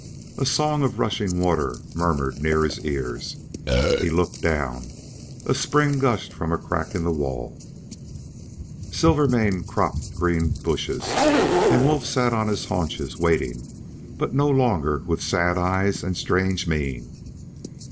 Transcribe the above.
A song of rushing water murmured near his ears. He looked down; a spring gushed from a crack in the wall; Silvermane cropped green bushes, and Wolf sat on his haunches waiting, but no longer with sad eyes and strange mien.